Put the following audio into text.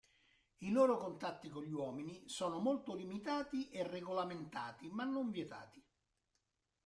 I loro contatti con gli uomini sono molto limitati e regolamentati ma non vietati.